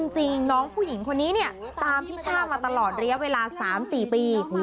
จริงน้องผู้หญิงคนนี้เนี่ยตามพี่ช่ามาตลอดระยะเวลา๓๔ปี